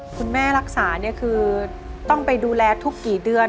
คุณแม่รักษาเนี่ยคือต้องไปดูแลทุกกี่เดือน